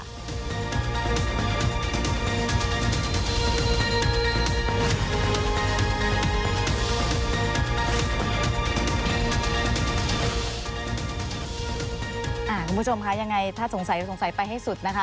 คุณผู้ชมคะยังไงถ้าสงสัยสงสัยไปให้สุดนะคะ